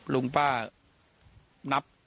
ลุงป้านับ